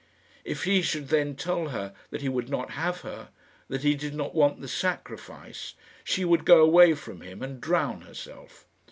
If he should then tell her that he would not have her, that he did not want the sacrifice, she would go away from him and drown herself.